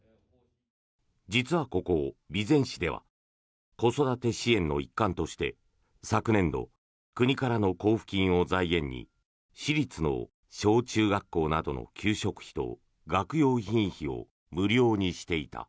実はここ、備前市では子育て支援の一環として昨年度、国からの交付金を財源に市立の小中学校などの給食費と学用品費を無料にしていた。